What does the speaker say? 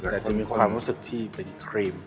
แต่จะมีความรู้สึกที่เป็นครีม